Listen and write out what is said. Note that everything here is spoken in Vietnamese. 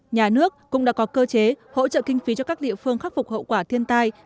nhà nước cũng đã có cơ chế hỗ trợ kinh phí cho các địa phương khắc phục hậu quả thiên tai